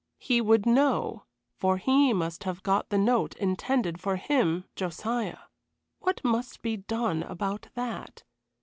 He would know for he must have got the note intended for him Josiah. What must be done about that?